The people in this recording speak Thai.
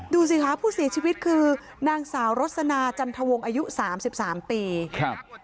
ดูสิคะผู้เสียชีวิตคือนางสาวรัศนาจันทวงอายุ๓๓ปี